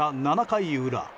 ７回裏。